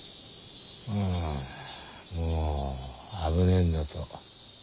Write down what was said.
ああもう危ねえんだと。